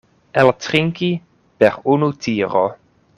Eltrinki per unu tiro.